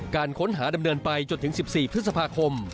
การค้นหาดำเนินไปจนถึง๑๔พฤษภาคม